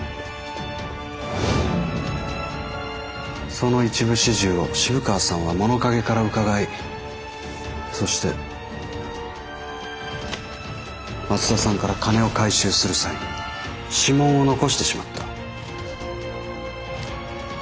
その一部始終を渋川さんは物陰からうかがいそして松田さんから金を回収する際指紋を残してしまった。